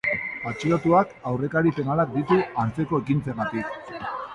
Atxilotuak aurrekari penalak ditu antzeko ekintzengatik.